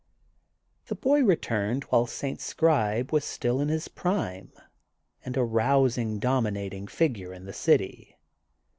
The boy returned while St. Scribe was still in his prime and a rousing, domi nating figure in the city.